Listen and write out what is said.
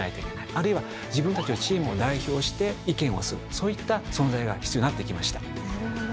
あるいは自分たちのチームを代表して意見をするそういった存在が必要になってきました。